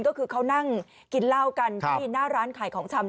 ก็คือเขานั่งกินเหล้ากันที่หน้าร้านขายของชำ